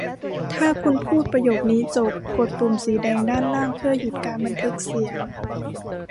ถ้าคุณพูดประโยคนี้จบ กดปุ่มสีแดงด้านล่างเพื่อหยุดการบันทึกเสียง